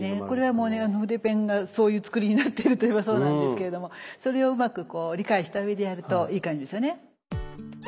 これはもう筆ペンがそういう作りになってるといえばそうなんですけれどもそれをうまく理解したうえでやるといい感じですよね。